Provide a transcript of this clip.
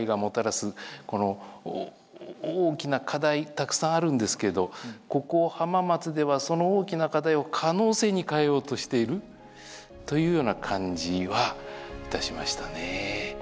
たくさんあるんですけどここ浜松ではその大きな課題を可能性に変えようとしているというような感じはいたしましたねえ。